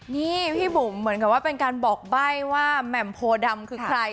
นี่พี่บุ๋มเหมือนกับว่าเป็นการบอกใบ้ว่าแหม่มโพดำคือใคร